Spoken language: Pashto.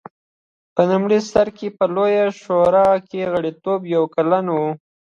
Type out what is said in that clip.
په لومړي سر کې په لویه شورا کې غړیتوب یو کلن و